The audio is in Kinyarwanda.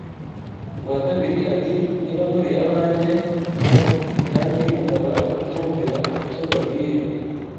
rwa kabiri ati niba muri abanjye d kandi mukaba mwumvira icyo mbabwiye